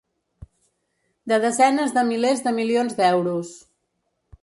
De desenes de milers de milions d’euros.